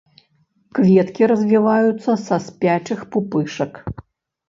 Кветкі развіваюцца са спячых пупышак.